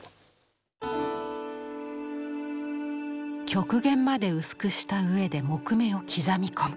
極限まで薄くしたうえで木目を刻み込む。